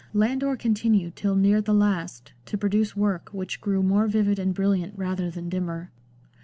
Landor continued till near the last to produce work which grew more vivid and brilliant rather than dimmer.